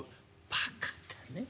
「バカだね。